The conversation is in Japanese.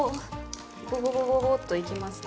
ゴボボボっといきますね。